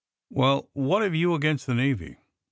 "Well, what have you against the Navy?"